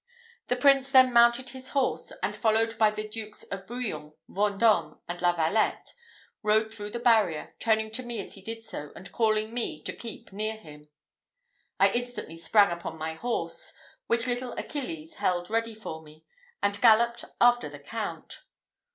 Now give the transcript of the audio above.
The Prince then mounted his horse, and followed by the Dukes of Bouillon, Vendôme, and La Valette, rode through the barrier, turning to me as he did so, and calling me to keep near him. I instantly sprang upon my horse, which little Achilles held ready for me, and galloped after the count.